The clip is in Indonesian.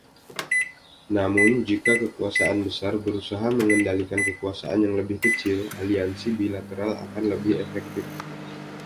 Namun jika kekuasaan besar berusaha mengendalikan kekuasaan yang lebih kecil, aliansi bilateral akan lebih efektif.